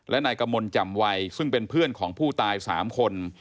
และนายกมลแจ่มวัยซึ่งเป็นเพื่อนของผู้ตาย๓คน